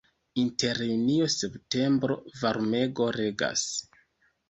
Inter junio-septembro varmego regas.